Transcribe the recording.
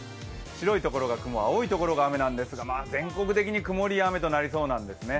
白いところが雲青いところが雨ですが全国的に曇りや雨となりそうなんですね。